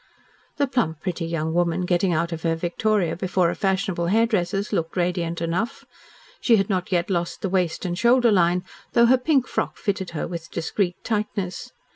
The plump, pretty young woman getting out of her victoria before a fashionable hairdresser's looked radiant enough. She had not yet lost the waist and shoulder line, though her pink frock fitted her with discreet tightness.